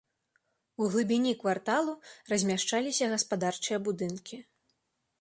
У глыбіні кварталу размяшчаліся гаспадарчыя будынкі.